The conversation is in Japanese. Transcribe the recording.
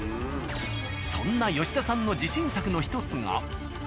そんな吉田さんの自信作の１つが。